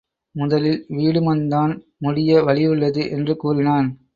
முதலில் வீடுமன் தான் முடிய வழி உள்ளது என்று கூறினான்.